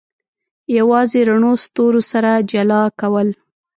یوازې رڼو ستورو سره جلا کول.